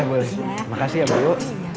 oh iya boleh makasih ya batu